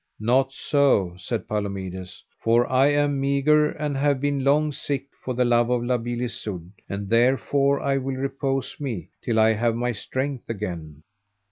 Not so, said Palomides, for I am meagre, and have been long sick for the love of La Beale Isoud, and therefore I will repose me till I have my strength again.